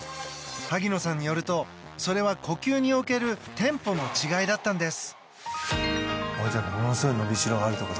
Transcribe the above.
萩野さんによるとそれは、呼吸におけるテンポの違いだったんです。